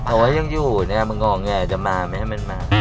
แต่ว่ายังอยู่เนี่ยมันงอไงจะมาไหมให้มันมา